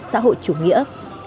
xã hội chủ nghĩa